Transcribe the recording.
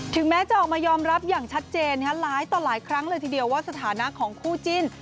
แม้จะออกมายอมรับอย่างชัดเจนหลายต่อหลายครั้งเลยทีเดียวว่าสถานะของคู่จิ้น